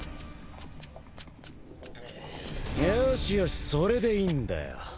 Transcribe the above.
よしよしそれでいいんだよ。